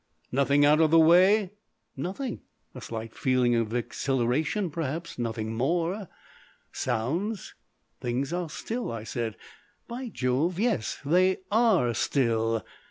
"Nothing out of the way?" "Nothing. A slight feeling of exhilaration, perhaps. Nothing more." "Sounds?" "Things are still," I said. "By Jove! yes! They ARE still.